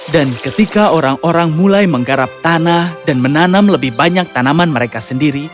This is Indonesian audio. dan ketika orang orang mulai menggarap tanah dan menanam lebih banyak tanaman mereka sendiri